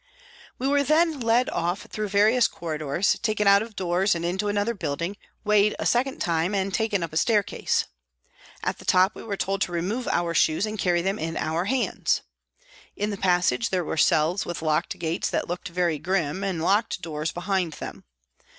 We were then led off through various corridors, taken out of doors and into another building, weighed a second time, and taken up a staircase. At the top we were told to remove our shoes and carry them in our hands. In the passage there were cells with locked gates that looked very grim, and locked doors HOLLOWAY PRISON 83 behind them.